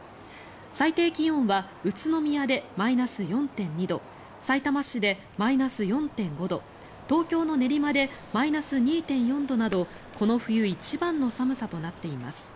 最低気温は宇都宮でマイナス４．２度さいたま市でマイナス４．５度東京の練馬でマイナス２．４度などこの冬一番の寒さとなっています。